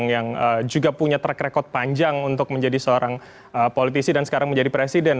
yang juga punya track record panjang untuk menjadi seorang politisi dan sekarang menjadi presiden